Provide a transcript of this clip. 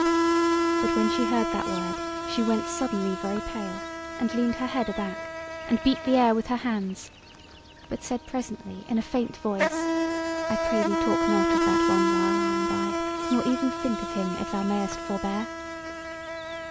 But when she heard that word, she went suddenly very pale, and leaned her head aback, and beat the air with her hands; but said presently in a faint voice: "I pray thee talk not of that one while I am by, nor even think of him, if thou mayest forbear."